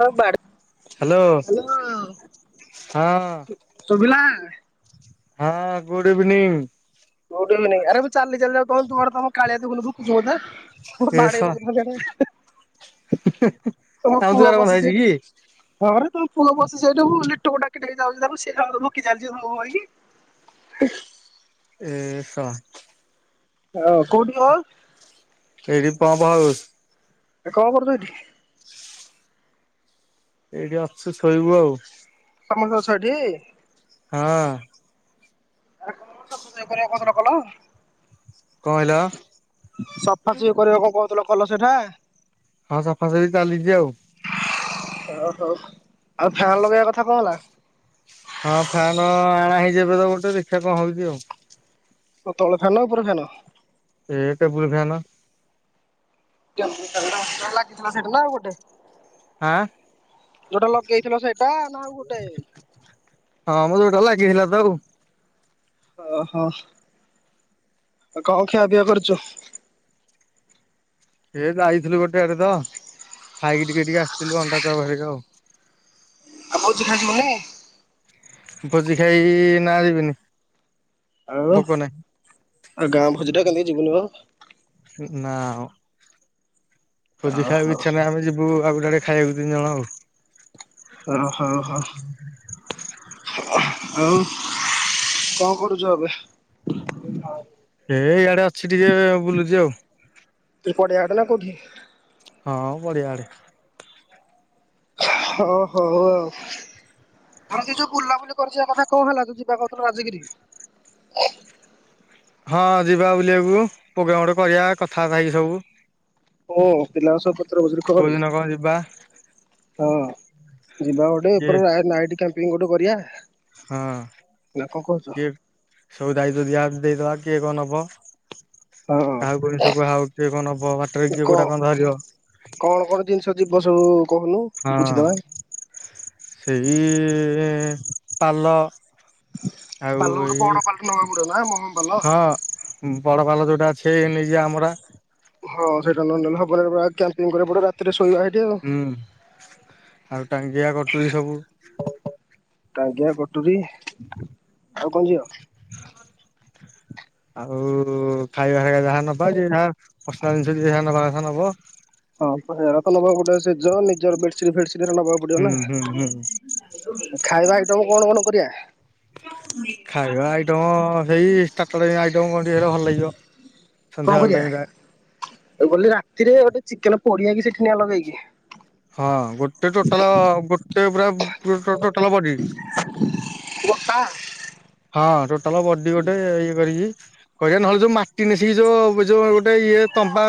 Hello ହଁ ସୁଭିଲା ହଁ ଗୁଡ୍ ଇଭିନିଂ ଗୁଡ ଇଭିନିଙ୍ଗ ଆରେ ତୁ ଚାଲି ଚାଲି ଆଉ ତମର ତୁଡ ତମ କାଳିଆ ଦୁ ଭୁକୁଚୁ ବଧା ମୋ ଏ ବାଡେଇ ଶଳା ପକେଇଥାନ୍ତେ ୟାଡେ ତମ ଆମ ପୁଅ ଦୁଆର ବନ୍ଧା ବସିଛି ହେଇଛି ଏଠି କି ହଁରେ ତ ପୁଅ ବସି ସେଠାକୁ ଲିଟୁକୁ ଡାକି ଡ଼ାକି ଯାଉଛି ତା ସେଟା ଭକି ଚାଲିଛିକି ଏସ ହଁ କୋଉଠି ହଲ ଏଠି ପପ୍ ଆଉସ ଏ କଣ କରୁଛ ଏଠି ଏଇଠି ଅଛୁ ଶୋଇବୁ ଆଉ ତମ ତ ଛଅଠି ହଁ କରିବା କଥାର କଲ । କଣ ହେଲ ସଫା ସି କରିବାକୁ କଣ କହୁ ଥିଲ କଲସେଠା ହଁ ସଫାସଫି ଚାଲିଛି ଆଉ ହ ହଉ ଆଉ ଫ୍ୟନ୍ ଲଗେଇବା କଥା କଣ ହେଲା ହଁ ଫ୍ୟାନ ଆଣା ହେଇଯବେ ତ ଗୋଟେ ଦେଷା କଣ ହଉଛି ଆଉ ତ ତଳ ଫନ୍ ନ ଉପରେ ଫାନ୍ ଏ କବୁଲ ଫାନ୍ ଲାଗିଥିଲା ସେଠା ନାଉ ଗୋଟେ ଆଁ [unintelligible] ଯୋଉଟା ଲଗେଇଥିଲ ସେଇଟା ନା ଆଉ ଗୋଟେ ଭଲ ଲାଗିଥିଲା ତ ଆଉ [unintelligible] ଓହୋ ଆଉ କଣ ଖିଆ ପିଆ କରୁଛୁ ସେ ଯାଇଥିଲୁ ଗୋଟେ ଆଡେ ତ ଖାଇକି ଟିକେ ଟିକେ ଆସିଥିଲୁ ଅଣ୍ଡା ତ ବାହାରିକ ଆଉ ଆଉ ଭୋଜି ଖାଇ ଯିବନି ଭୋଜି ଖାଇ ନା ଯିବିନି ଆଉ ଭୋକ ନାହିଁ ଆଉ ଗାଁ ଭୋଜି ଟା କେମତି ଜିବୁନୀ ମ ନା ଭୋଜି ଓ ଖାଇବା ହଉ କୁ ଓ ଇଚ୍ଛା ନାହିଁ ଆମେ ଯିବୁ ଆଉ ଗୋଟେ ଆଡେ ଖାଇବାକୁ ତିନି ଜଣ ଆଉ ହଉ ହଉ ହ [unintelligible] ଆଉ କଣ କରୁଛୁ ଏବେ ଏ ଇଆଡେ ଅଛି ଟିକେ ବୁଲୁଛି ଆଉ ତୁ ପଡେ ଆଡ ନା କଉଠି ହଁ ପଢିଆଡେ ହ ହୋ ଆଉ ଆ ଯୋଉ ବୁଲାବୁଲି କରଛି କଥା କଣ ହେଲା ଯ ଯିବା କହୁଥିଲଥିଲୁ ରାଜଗିରି ହଁ ଯିବା ବୁଲିବାକୁ ପୋଗ୍ରାମ ଗୋଟେ କରିବା କଥାାର୍ଥାକି ସବୁ ଓ ପିଲାଙ୍କ ସ କୋଉ ଦିନ କଣ ଯିବା ହଁ ଯିବା ଗୋଟେ କିଏ ଏପ ନାଇ ଟ ପି ଗୋଟେ କରିବା ହଁ ନା କଣ କହୁଛ? ଯଏ ସବୁ ଦାୟ ଦିଆ ଦେଇଦବା କିଏ କଣ ହବ ହଁ କାହା କିନିଷକୁୁ ହଉ କିଏ କଣ ହବ ବାଟରେ କ କିଏ କଉଟା କଣ ଧରିବ ଗସୁ [unintelligible] ହଁ ସେଇ ଯେ ପାଲ ଆଉ ପାଲ ଗୋଟେ ବଡ ଏଇ ପାଲ ନବାକୁ ପଡିବ ନା ମହମ ପାଲ। ହଁ ବଡ ପାଲ ଯୋଉଟା ଅଛି ନେଇ ଯ ଆମର [unintelligible] ହଁ ସେଇଟ ନଲେ ହବରେ ପୁରା୍ୟାପିଂ କରେ ପ ରାତିରେ ଶୋଇବା ଆଉ। ହୁଁ ଆଉ ଟାଙ୍ଗିଆ କଟୁରୀ ସବୁ ଡାଙ୍ଗିଆ କଟୁରୀ ହ ଆଉ କଣ ଯିବ? ଆଉ ଖାଇବା ଖାଇବା ଯାହା ନବା ଯେ ଯାହା ଫାଶୀନାଲ ଜିନିଷ କିଛି ନେବା [inaudible] [inaudible] ଶେଜ ନିଜର ବେସିଡ଼ି ଫେସିଡ଼ି ଯେତେ ହେଲେ ନବାକୁ ପଡ଼ିବ ହୁଁ ହୁଁ ହୁଁ ନାଁ ଖାଇବା ଆଇଟମ କଣ କଣ କରିଆ? ଖାଇବା ଆଇଟମ ସେଇ ଷ୍ଟାଟର ଆଇଟମ କଣ ଟିକେ ହେଲେ ଭଲ ଲାଗିବ। କଣ ସନ୍ଧ୍ୟାବେଳ କରିବା ଟାଇମ ଟା। ମୁଁ କ‌ଇଲି ରାତିରେ ଚିକେନ ପୋଡ଼ିଆକି ସେଠି ନିଆଁ ଲଗେଇଇକି। ହଁ ଗୋଟେ ଟୋଟାଲ ଗୋଟେ ପୁରା [inaudible] [inaudible] ଗୋଟା କହିଲ ନହେଲେ ଯୋଉ ମାଟି ନେସିକି ଯୋଉ ଯୋଉଗୋଟେ ଇଏ ତ ତମ୍ବା।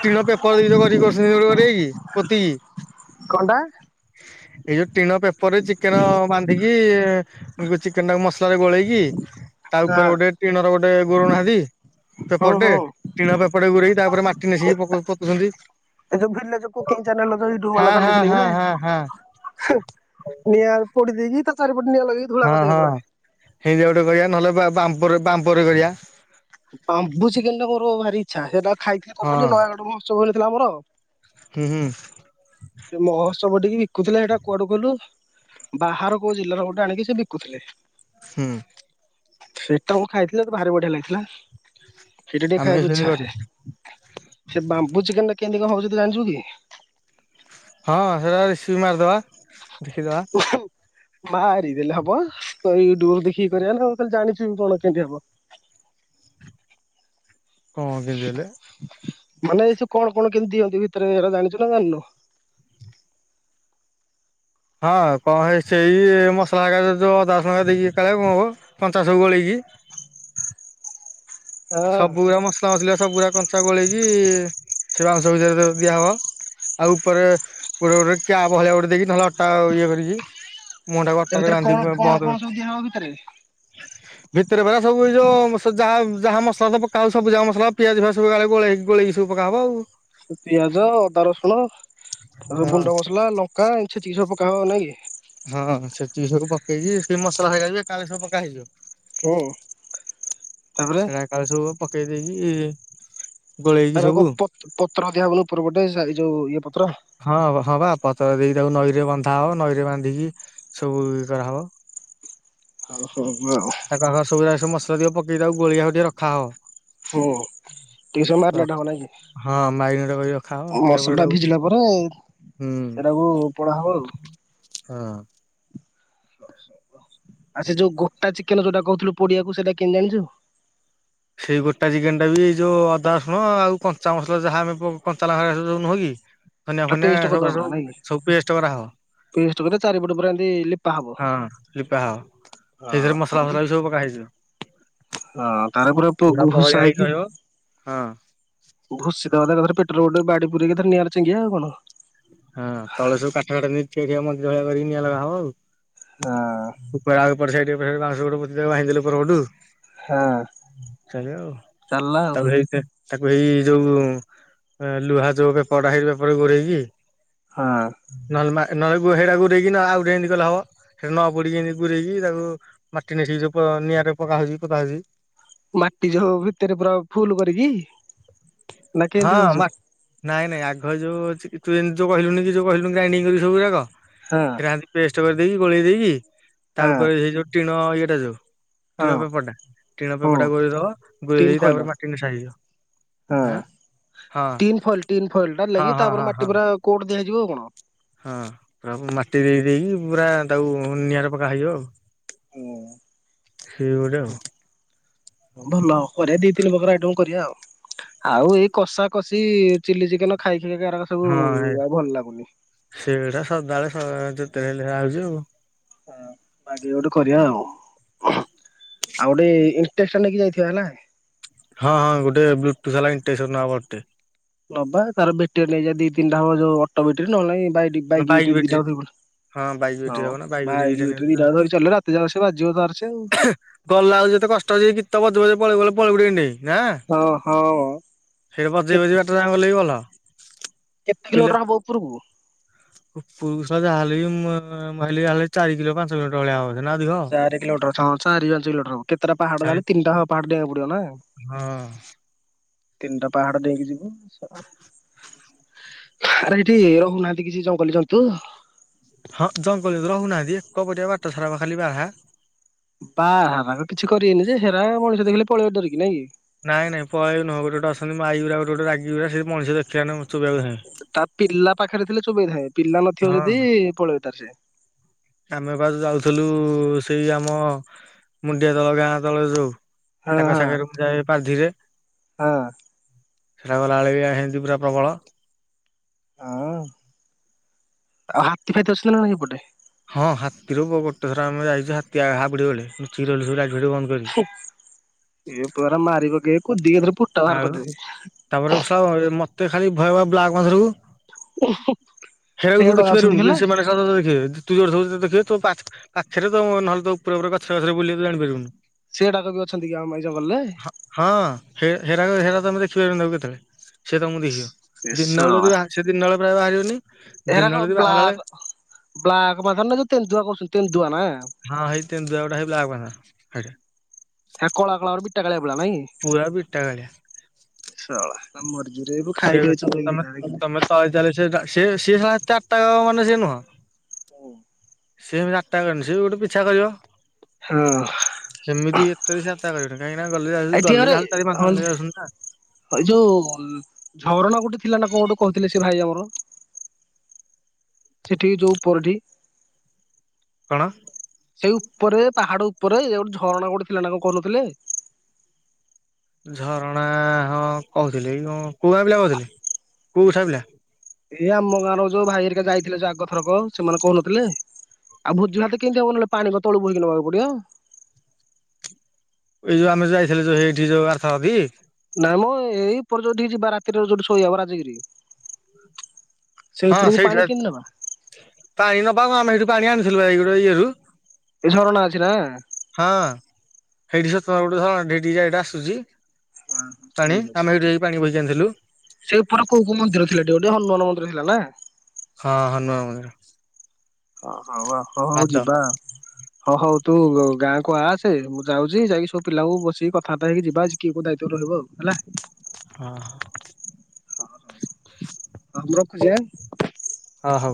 ଟିଣ ପେପର ଦେଇ [inaudible] ପୋତି କିି କଣ ଟା। ଏ ଯୋଉ ଟିଣ ପେ ପରେ ଚିକେନ ବାନ୍ଧିକି କି ଚିକେନଟାକୁ ମ ଥରେ ଗୋଳେଇକି ତା ଉପରେ ଗୋଟେ ଟିଣ ର ଗୋଟେ ଘୋର‌ଉ ନାନ୍ତି ପେପର ହୁଁ ଟେ ହୁଁ ଟିଣପେପରଟେ ଘୋର‌ଈ‌ ତା ପରେ ମାଟି ନେସିକି ପୋତୁଚନ୍ତି। ଏ ଯୋଉ ଭିଲେଜ କୁକିଙ୍ଗ ଚାନେଲ ହଁ ୟୁଟୁବବାଲା ହଁ ଚଲେଇଥିଲେ କି ହଁ ନାଇଁ ହଁ ହଁ ହେଁ ନିଆଁରେ ପୋଡ଼ିଦେଇକି ହଁ ହଁ ହେଇ [inaudible] [inaudible] ପାପରେ କରିଆ। ବାମ୍ବୋ ଚିକେନଟା ମୋର ଭାରି ଇଚ୍ଛା। ଖାଇ ଖାଇ ହଁ ବୋଲି ନୟାଗଡ଼ ମହୋତ୍ସବ ବେଳେ ଥିଲା ମୋର ହୁଁ ହୁଁ। ସବୁ ଟିକେ ବିକୁଥିଲେ ସେଇଟା କୁଆଡୁ କହିଲୁ ବାହାର କୋଉ ଜିଲ୍ଲାର ଗୋଟେ ଆଣିକି ସେ ବିକୁଥିଲେ ହୁଁ। ସେଟା ମୁଁ ଖାଇଥିଲି ତ ଭାରି ବଢିଆ ଲାଗିଥିଲା। ହିଟ ଟିକେ ଆମେ ବି ଖାଇବାକୁ ସେମିତି ଇଚ୍ଛା କରିବା ସେ ବାମ୍ବୁ ଚିକେନ୍ କେମିତି କଣ ହଉଛୁ ତୁ ଜାଣିଛୁ କି? ହଁ ସେଟା ରେସିପି ମାରିଦେବା। ଦେଖିଦବା। ମାରିଦେଲେ ହବ ୟୁଟୁବ ଦେଖିକି କରିଆନା ଆଉ ଜାଣିଚୁ କଣ କେମିତି କରିଆ ହଁ [inaudible] ମାନେ ଏ ସେ କଣ କଣ କେମିତି ଦିଅନ୍ତି ଭିତରେ ଏରା ଜାଣିଛୁ ଜାଣିନ ହଁ କଣ ହେ ସେଇ ମସଲା ଯୋଉ ଅଧାଶ ଟଙ୍କା ଦେଇକି [inaudible] ହଁ ସବୁ ଗଡା ମଶଲା ବସଲା ସବ ଗୁଡା କଞ୍ଚା ଗୋଳେଇକି ସେ ମାଉଂସ ଭିତରେ ଦିଆ ହବ ଆଉ ଉପରେ ଗୋଟେ ଗୋଟେ କାୟାବ ଭଳିଆ ଗୋଟେ ଦେଇକି ନହେଲେ ଅଟା ଇଏ କରିକି ମୁହଁଟାକୁ ତା ଅଟାରେ ଭିତରେ ବାନ୍ଧି କଣ କଣ ବନ୍ଦ କଣ ସବୁ ଦିଆହବ ଭିତରେ? ଭିତରେ ପରା ସବୁ ଏ ଯୋଉ ଯାହା ଯାହା ତ ପକାହବ ସବୁଯାକ ମସଲା ପିଆଜ ସବୁଜା ମସଲା ପିଆଜିଆବୁ ଗା ଗଳେଇ ଗଳେଇକ ସବ ପକା ହବ ଆଉ। ପିଆଜ ଅଦା ରସୁଣ ଆଉ ହଁ ଗୁଣ୍ଡ ମସଲା ଲଙ୍କା ଏ ଛତିି ସବୁ କାଣ ନାଇଁ କି ହଁ ଛେଚି କି ସବୁ ପକେଇଛିିବ ସେ ମସଲା ହେଇଯାଉିବ କାଳେଲି ସବୁ ପକା ହେଇଯିବ ହୁଁ ତାପରେ ସେୟ କାଲେ ସବୁ ଦେଇକି ଗୋଳେଇକି ସବୁ ରାକ ପଟ ପତ୍ର ଦିଆବନ ଉପର ପଟେ ଯୋଉ ଇଏ ପତ୍ର ହଁ ହଁ ବା ପ ତ ଦେଇକି ତାକୁ ନଈରେ ବନ୍ଧା ହବ ନଈରେ ବାନ୍ଧିକି ସବୁ ଇଏ କରାହବ। ଆଉ ସବୁ ଆଉ ତାକ ଆଗ ସବୁଯାକ ସବୁ ସବୁ ମସ ିକ ପକେଇ ତାକୁ ଗୋଳିଆଇକି ରଖା ହବ ହୁଁ ଟିକେ ସମୟ ମାରିନେଟ ହବ ନାଇଁ ହଁ ମାରିନେଟ କରି ରଖାହବ କି ରଖିଲା ପରେ ମସଲା ଟା ତାକୁ ଭିଜିଲା ପରେ ହୁଁ ସେଟାକୁ ପଢା ହବ ଆଉ ହଁ। ଆ ସେ ଯୋଉ ଗୋଟା ଚିକେନ ଯୋଉଟା କହୁଥିଲୁ ପୋଡ଼ିବାକୁ କୁ ସେଇଟା କେମତି ଜାଣିଛୁ? ସେଇ ଗୋଟା ଚିକେନ ଟା ବି ଏଇ ଯୋଉ ଅଦା ରସୁଣ ଆଉ କଞ୍ଚା ମସଲା ଯାହା ଆମେ କଞ୍ଚା ଲଙ୍କା ସୁ ନୁହଁ କି ଧାନିଆ ତା ଫନିଆ ପେଷ୍ଟ କରିଦବ ସବୁ ପୁରା ସବୁ ନାଇଁ କି? ସବୁେଷ୍ଟ କରା ହବ ପେଷ୍ଟ କରିକି ଚାରିପଟ ପ ଏମତି ଲିପା ହବ ହଁ ଲିପା ହବ ସେଇଥିରେ ମସଲା ହଁ ଫସଲା ବି ସବୁ ପକା ହେଇଯିବ। [inaudible] ତ ପୁରା ବହଳିଆ ଗୁହୁସହ ହେଇକି [inaudible] ରହିବ। ହଁ। କ ପେଟରେ ରୋଡ ବାଡି ପୁରେଇକି ନିଆଁରେ ଚଙ୍ଗିଆ ଆଉ କଣ? ହଁ ତଳେ ସବୁ କାଠ ବାଟ ନେଇ ସେଠଆ [inaudible] କରିକି ନିଆ ଲଗା ହବ ଆଉ ହଁ ଉପରେ ଆରେ ପଡ ସାଇଡ୍ [inaudible] ଭା ଦେେ ପଡୁ ହଁ ଚାଲିଲ ଆଉ? ତାକୁ ହେଇ ତାକୁ ଏଇ ଯୋଉ ଲୁହା ଯୋଉ ପଡା ହେଇ ପରେ ଗୋଡେଇକି ହଁ ନଲମା। ନହଲେ ପୁଅ ହେରା ଗୁରେଇକିନା ଆଉ ଗୋଟେ ଏମିତି କଲେ ହବ। ସେ ନ ପୋଡିକି ଏମିତି ପୁରେଇକି ତାକୁ ମାଟି ନେସିକି ନିଆଁରେ ପକାହଉଛି ପୋତାହଉଛି। ମାଟି ଯୋଉ ଭିତରେ ପୁରା ଫୁଲ କରିକି। ନା ହଁ କେମିତି କହୁଛୁ ମା ନାଇଁ ନାଇଁ ଆଗ ଯୋଉ ଅଛି। କି ତୁ ଏ ଯଉ କହିଲୁନୁ କି ଯଉ କହୁଲୁନୁ ଗ୍ରାଇଡିଙ୍ଗ କର ସବୁଯାକ। ହଁ ହେରା ଆଣିକି ଫେଷ୍ଟ କଲି। ଦେଇକି ଗୋଳେଇ ଦେଇକି ତା ହଁ ଉପରେ ସେଇ ଯୋଉ ହଁ ଇଏଟା ଯୋଉ। ହଁ ଟିଣ ପେପରଟା ଟିଣ ହଁ ପେପରଟା ଗୁରେଇ ଦବ। ଗୋଳେଇ ତିନ ଦେଇକି ଫଏଲ ତାପରେ ମାଟି ନେସାଯିବ। ହଁ ଟିନ ଫଲ ତିନ ଫଲ ଟା ହଁ ଲାଗି ହଁ ତାପରେ ହଁ ମାଟି ହଁ ପୁରା କୋ ଦିଆଯିବ ଆଉ କଣ। ହଁ ପୁରା ମାଟି ଦେଇ ଦେଇକି ପୁରା ତାକୁ ନିଆଁରେ ପକ୍କା ହେଇଯିବ ଆଉ। ହୁଁ। [inaudible] ସେଇ ଗୋଟେ ଆଉ। ଭଲ ଆଉ କରିବା ଦି ତିନି ପ୍ରକାର ଆଇଟମ କରିବା ଆଉ। ଆଉ ଏଇ କଷା କଷି ଚିଲି ଚିକେନ ଖାଇକି କି ଏରା ସବୁ ହଁ। ଭଲ ଲାଗୁନି। [inaudible] ହଁ ଯେତେ ହେଲେ ଆଉଛି ଆଉ। ହ ବାଗେଇକି ଗୋଟେ କରିବା ଆଉ। [inaudible] ଆଉ ଗୋଟେ ଇଣ୍ଟେକ୍ସ ନେଇକି ଯାଇଥିବା ନା? ହଁ ହଁ ଗୋଟେ ବ୍ଲୁଟୁଥ ବାଲା ଇଟେକ୍ସ ନବା ବଡ଼ ଟେ। ନବା ତାର ବେଟିର ନେଇଯିବା ଦି ତିନିଟା। ଯୋଉ ଅଟୋ ବ୍ୟାଟେରୀ ନହେଲେ ନାହିଁ। ବାଇକ୍ ବେଟ୍ରି ହଁ ବାଇକ୍ ହଁ ବେଟ୍ରୀ ହବ ନା ବାଇକ୍ ବେଟ୍ଟ୍ରି ଦିଟା ନେଲା ବେଟେରୀ ଗଲା ଧରି ଆଉ। ଚାଲିଲେ ରାତି ଯାକ ସେ ବାଜିବ ତାର ସେ ଆଉ। ଗଲେ ଆଉ ଯେତେ କଷ୍ଟ ଅଛି ଗୀତ ବଜେ ବଜେଇ ପଳେଇବ ନ [unintelligible] ହଁ ହଁ। [inaudible] ସେଇଟା କେ ବଯେଇ ବଜେଇ ବାଟ ଜାକ ଗଲେ ବି ଭଲ। କେତେ [inaudible] ପିଲେ କିଲୋମିଟର ହବ ଉପରକୁ? [inaudible] ପୁ ଯା ହେଲେବି ମୁଁ ମୁଁ କହିଲି ଚାରି କିଲୋ ପାଞ୍ଚ କିଲୋ ଭଳିଆ ହବ ବୋଲି। ଚାରି କିଲୋମିଟର ଚାରି ପାଞ୍ଚ କିଲୋଟର କେତେଟା ଚାରି ପାହାଡ ତିନିଟା ହବ ପାହାଡ ଡେଇଁବାକୁ ପଡିବ ନା। ହଁ [inaudible] ତିନିଟା ପାହାଡ ଡେଇଁକି ଯିବୁ। ସକାଳେ ଆରେ ଏଇଠି ରହୁନାହାନ୍ତି। କିଛି ଜଙ୍ଗଲ ଜନ୍ତୁ। ହଁ ଜଙ୍ଗଲରେ ରହୁନାହାନ୍ତିି। କପଟିଆ ବାଟା ସାରା ପା ଖାଲି ବରହା। ବାରାହା କିଛି କରିବେନି ଯେ। ହେରା ମଣି ସେ ଦେଖିଲ ପଳେଇବେ ଡରିକି ନାଇଁ କି। ନାଇଁ ନାଇଁ ବୟେଜ୍ ନୁହଁ ଗୋଟେ ଗୋଟେ ଅଛନ୍ତି। ମାଇଗୁରା ଗୋଟେ ଗୋଟେ ରାଗିଯିବେ। ସେ ମଣିଷ ଦେଖିବା ନ ତା ପିଲା ପାଖରେ ଥିଲେ ଚୋବେଇ ଥାଏ। ପିଲା ନଥିବ ହଁ ଯଦି ପଳେଇବ ତାର ସେ। ଆମେ ବା ଯାଉଥିଲୁ ସେଇ ଆମ ମୁଣ୍ଡିଆ ତଳ ଗାଁ ତଳ ଯୋଉ ହଁ ତାଙ୍କ ହଁ ସାଙ୍ଗରେ ମୁ ଯାଏ। ପାଧିରେ। ହଁ। ସେଟା ଗଲା ଆଳେ ବି ହେନ୍ତି ପୁରା ପ୍ରବଳ। ଆଉ ହାତୀ ଫାତୀ ଅଛନ୍ତି ନା ସେପଟେ। ହଁ ହାତୀରୁ ଗୋଟେ ଥର ଆମ ଯାଇଛୁ ହାତୀ ହାବୁଡେ ବେଳେ ଲୁଚିକି ରହିଲୁ ସବୁ ଭିଡିଓ ବନ୍ଦ କରି। ଏ ପରା ମାରିପକେଇ କୁ ଦି ଥର। ଆଉ ତାପରେ। [unintelligible] ତତେ ଖାଲି ଭୟଭ ବ୍ଲାକ୍ [unintelligible] ହେରାକୁ ତୁ ଏଗୁଡା ଅଛନ୍ତି ଦେଖିପାରିବନୁି କି କିୁ ଲେ? ସେମାନେ। [unintelligible] ତୁ ଯୋଉଟି ଥିବୁ ତତେ ଦେଖିବେ। ତୋ ପାଖ ପାଖରେ ତ ନହଲେ ପୁରା ପୁରି ଗଛରେ ଗଛରେ ବୁଲେଇବେ ଜାଣିପାରିବନୁ। ସେଡାକ ବି ଅଛନ୍ତି କି ଆମ ଏ ଜଙ୍ଗଲରେ? ହେରାକ ହେରା ତମେ ଦେଖି ପାରିବନି କେତେବେଳେ ସେ ତମକୁ ଦେଖିବ। ଦିନବେଳେ ଯଦି ବା ସେ ଦିନ ବେଳେ ବାହାରିବନି। ଦିନ ଏରାକ ବେଳେ ଯଦି ବାହାରିଲା ବେଳେ ବ୍ଲାକ୍ ବ୍ଲାକ୍ ବାଘ ନା ଯୋଉ ତେନ୍ଦୁଆ କରୁଛନ୍ତି ତେନ୍ଦୁଆ ନା। ହଁ ସେଇ ତେନ୍ଦୁଆ ଗୁଡା ସେଇ ବ୍ଲାକ୍। [unintelligible] ହେ କଳା କଳାର ବିଟ [unintelligible] ପୁରା ବିଟା ଭଳିଆ। [unintelligible] ସେ ଖାଇଦେ ଚୋବେଇକି ତମେ ତମେ ତଳେ ଚାହଲେ ସେ ସେ ଚାରଟା [unintelligible] ସେ ନୁହଁ। [inaudible] [unintelligible] ସେ ଗୋଟେ ପିଛା କରିବ। ହଁ ସେମିତି [unintelligible] [unintelligible] କାହିଁକି ନା ଗଲେ ଯାଉସୁ ଏଠି ଗଲେ ଆରେ ଯାଉୁ ଚାରି ପାଞ୍ଚ ହଁ ଜଣ ଲେଖା ଯାଉସନ୍ତି ନା। ଏ ଯୋଉ ଝରଣା ଗୋଟେ ଥିଲା ନା କଣ ଗୋଟେ କହୁଥିଲେ ସେ ଭାଇ ଆମର। ସେଠିକି ଯୋଉଁ ପରଠି। କଣ? ସେଇ ଉପରେ ପାହାଡ ଉପରେ ଇଏ ଗୋଟେ ଝରଣା ଗୋଟେ ଥିଲା ନା କଣ କହୁନଥିଲେ? ଝରଣା ହଁ କୋହୁଥିଲି କି କଁ କୋଉ ଗାଁ ପିଲା କୋହୁଥିଲେ କୋଉ ଛୁଆପିଲା। ଏଇ ଆମ ଗାଁର ଯୋଉ ଭାଇ ହେରିକା ଯାଇଥିଲେ ଯୋଉ ଆଗ ଥରକ ସେମାନେ କହୁନଥିଲେ, ଆଉ ଭୋଜିଭାତ କେମିତି ହବ ନହେଲେ ପାଣି କଣ ତଳୁ ବୋହିକି ନବାକୁ ପଡିବ? ଏଇ ଯୋଉ ଆମେ ଯାଇଥିଲେ ଏଇଠି ଯୋଉ ଆର ଥରଟି। ନା ମଁ ଏଇ ଉପର ଯୋଉଠିକି ଯିବା ରାତିରେ ଯୋଉଠି ଶୋଇ ହବ ରାଜଗିରି। ସେଇ ହଁ ଉପରକୁ ସେଇଠି ପାଣି ପା କେମିତି ନବା ପାଣି ନବା କଣ ଆମେ ସେଇଠୁ ପାଣି ଆଣୁ ଥିଲୁ ପା ଏଇ ଗୋଟେ ଇଏରୁ। ଏ ଝରଣା ଅଛି ନା? ହେଇଠି ସେଠି ପା ଗୋଟେ ଝରଣାଟେ ଏଇଠି ଯାଇଟା ଆସୁଚି। ହଁ ପାଣି ଠିକ ଅଛି ଆମେ ହେଠୁ ଯାଇ ପାଣି ବୋହି ଗନ୍ଧିଲୁ ସେଇ ଉପରେ କୋଉ କୋଉ ମନ୍ଦିର ଥିଲାଟି ଗୋଟେ ହନୁମାନ ମନ୍ଦିର ଥିଲା ନା? ହଁ ହନୁମାନ ମନ୍ଦିର। ହଁ। ହଁ ପା ହଁ ହୋଉ ପାଦ ଯିବା। ହଁ ହୋଉ ତୁ ଗାଁକୁ ଆସେ ମୁଁ ଯାଉଚି ଯାଇକି ସବୁ ପିଲାଙ୍କୁ ବସିକି କଥାବାର୍ତ୍ତା ହେଇକି ଯିବା ଆଜି କିଏ କୋଉ ଦାୟିତ୍ଵରେ ରହିବ ଆଉ ହେଲା। ହଁ ହଁ। ହଁ ହୋଉ। ହଁ ମୁଁ ରଖୁଚି ଆଁ। ହଁ ହଉ